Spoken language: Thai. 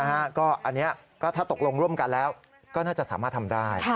อันนี้ก็ถ้าตกลงร่วมกันแล้วก็น่าจะสามารถทำได้